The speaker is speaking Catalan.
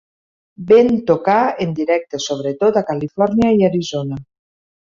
Ven tocar en directe sobretot a Califòrnia i Arizona.